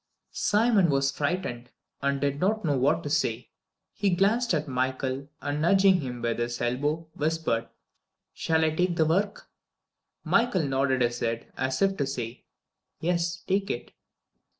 Simon was frightened, and did not know what to say. He glanced at Michael and nudging him with his elbow, whispered: "Shall I take the work?" Michael nodded his head as if to say, "Yes, take it."